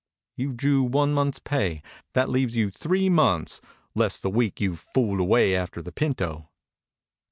"You've drew one month's pay. That leaves you three months, less the week you've fooled away after the pinto."